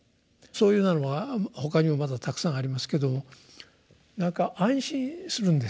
そういうようなのは他にもまだたくさんありますけど何か安心するんですよ。